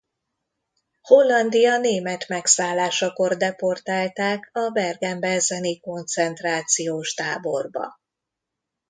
Hollandia német megszállásakor deportálták a Bergen-belseni koncentrációs táborba.